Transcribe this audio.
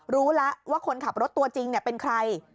รู้แล้วว่าคนขับรถตัวจริงเป็นใคร